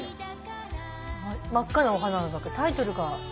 「真っ赤なお鼻の」だけどタイトルが。